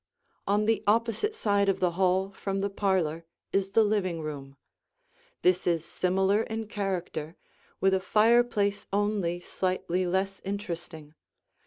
On the opposite side of the hall from the parlor is the living room. This is similar in character, with a fireplace only slightly less interesting.